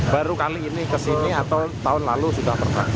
baru kali ini kesini atau tahun lalu sudah pernah